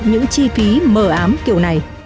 những chi phí mờ ám kiểu này